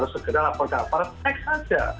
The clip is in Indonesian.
segera melapor ke aparat